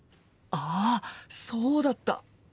あそうだった！